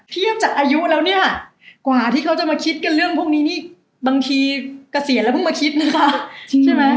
เทียบจากอายุแล้วเนี่ยกว่าที่เขาจะมาคิดกันเรื่องพวกนี้บางทีกระเสียแล้วพึ่งมาคิดนะคะ